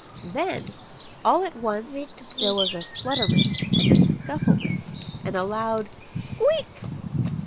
Then all at once there was a flutterment and a scufflement and a loud "Squeak!"